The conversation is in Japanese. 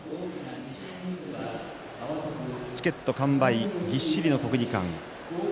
チケット完売、ぎっしりの国技館。